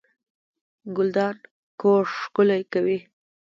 ګلدان کور ښکلی کوي